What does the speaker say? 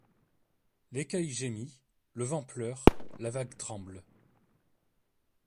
L'écueil gémit ; le vent pleure, la vague tremble ;